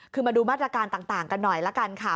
คือมาดูมาตรการต่างกันหน่อยละกันค่ะ